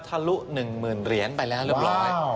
ทะลุ๑๐๐๐เหรียญไปแล้วเรียบร้อย